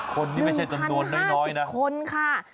คนนี้ไม่ใช่จำนวนน้อยนะคนค่ะ